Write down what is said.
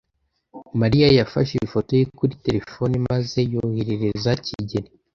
Mariya yafashe ifoto ye kuri terefone maze yoherereza kigeli.